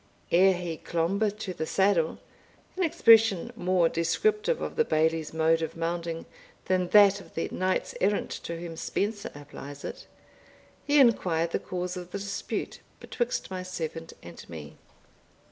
Ere he "clombe to the saddle," an expression more descriptive of the Bailie's mode of mounting than that of the knights errant to whom Spenser applies it, he inquired the cause of the dispute betwixt my servant and me.